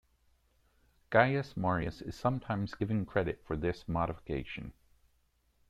Gaius Marius is sometimes given credit for this modification.